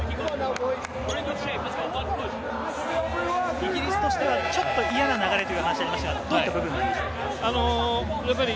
イギリスとしては、ちょっと嫌な流れという話がありましたが、どんな部分ですか？